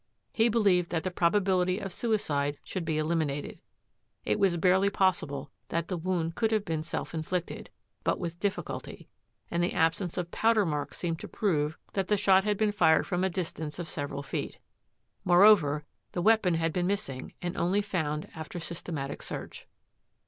He believed that the probability of suicide should be eliminated. It was barely pos sible that the wound could have been self inflicted, but with difliculty, and the absence of powder marks seemed to prove that the shot had been fired from a distance of several feet. Moreover, the weapon had been missing and only found after systematic search.